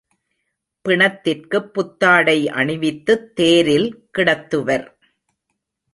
பிணத்திற்குப் புத்தாடை அணிவித்துத் தேரில் கிடத்துவர்.